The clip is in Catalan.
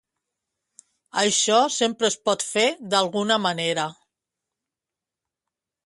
Això sempre es pot fer d'alguna manera.